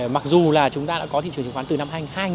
mặc dù là chúng ta đã có thị trường chứng khoán từ năm hai nghìn